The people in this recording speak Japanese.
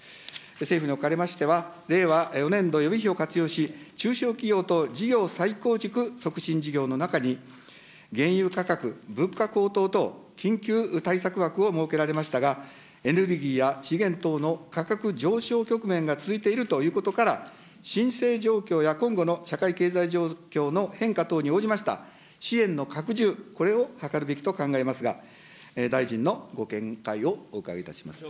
政府におかれましては、令和４年度予備費を活用し、中小企業等事業再構築促進事業の中に、原油価格、物価高騰等緊急対策枠を設けられましたが、エネルギーや資源等の価格上昇局面が続いているということから、申請状況や今後の社会経済状況の変化等に応じました支援の拡充、これをはかるべきと考えますが、大臣のご見解をお伺いいたします。